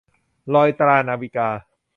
รอยตรา - นาวิกา